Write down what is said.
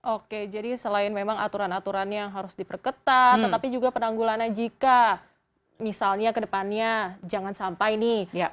oke jadi selain memang aturan aturan yang harus diperketat tetapi juga penanggulannya jika misalnya kedepannya jangan sampai nih